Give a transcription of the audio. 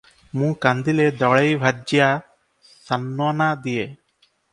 ମୁଁ କାନ୍ଦିଲେ ଦଳେଇ ଭାର୍ଯ୍ୟା ସାନ୍ୱନା ଦିଏ